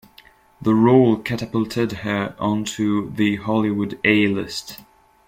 The role catapulted her onto the Hollywood A-list.